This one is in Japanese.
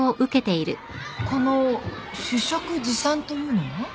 この「主食持参」というのは？